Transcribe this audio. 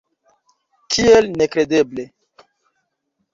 Kiel nekredeble!